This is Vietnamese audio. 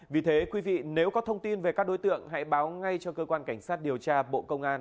vì thế quý vị nếu có thông tin về các đối tượng hãy báo ngay cho cơ quan cảnh sát điều tra bộ công an